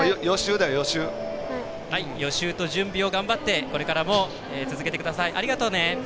予習と準備を頑張ってこれからも続けてください。